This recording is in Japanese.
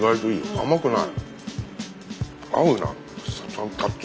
甘くない。